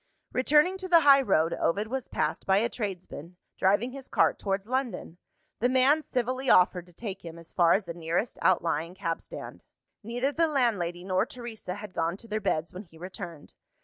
Returning to the high road, Ovid was passed by a tradesman, driving his cart towards London. The man civilly offered to take him as far as the nearest outlying cabstand. Neither the landlady nor Teresa had gone to their beds when he returned.